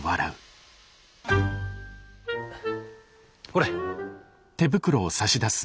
ほれ。